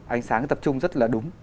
ánh sáng tập trung rất là đúng